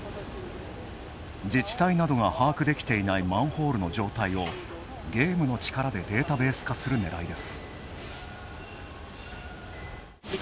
自治体などが把握できていないマンホールの状態を、ゲームの力でデータベース化するのがねらいです。